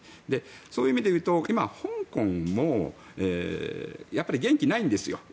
そういう意味で言うと今、香港もやっぱり元気がないんですよ。